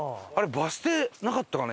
バス停なかったかな？